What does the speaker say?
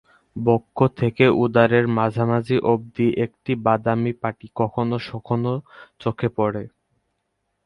বক্ষ থেকে উদরের মাঝামাঝি অবধি একটি বাদামি পটি কখনো-সখনো চোখে পড়ে।